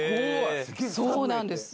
そうなんです。